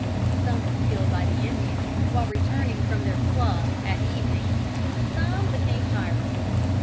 Some were killed by the Indians while returning from their club at evening; some became pirates.